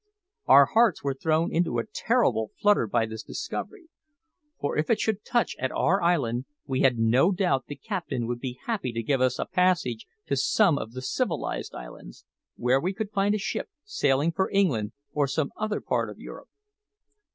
Our hearts were thrown into a terrible flutter by this discovery, for if it should touch at our island, we had no doubt the captain would be happy to give us a passage to some of the civilised islands, where we could find a ship sailing for England or some other part of Europe.